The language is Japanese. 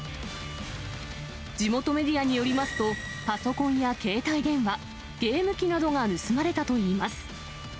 地元メディアによりますと、パソコンや携帯電話、ゲーム機などが盗まれたといいます。